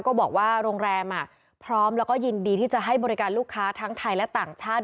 ก็บอกว่าโรงแรมพร้อมแล้วก็ยินดีที่จะให้บริการลูกค้าทั้งไทยและต่างชาติ